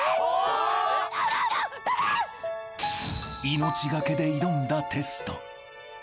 ［命懸けで挑んだテスト］